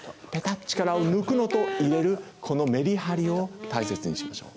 力を抜くのと入れるこのメリハリを大切にしましょう。